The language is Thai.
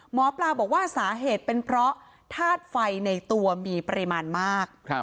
หมอปลาบอกว่าสาเหตุเป็นเพราะธาตุไฟในตัวมีปริมาณมาก